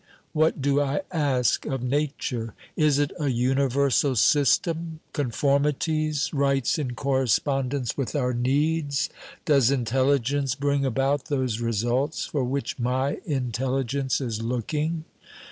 What do I ask of Nature ? Is it a universal system, conformities, rights in correspondence with our needs? Does intelligence bring about those results for which my intelligence is looking?